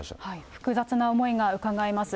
複雑な思いがうかがえます。